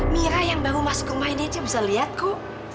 mira yang baru masuk rumah ini aja bisa lihat kok